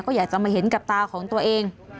ก็อยากจะมาเห็นกับตาของตัวเอง